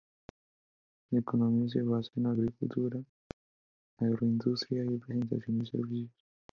La economía se basa en la agricultura, agroindustria y prestación de servicios.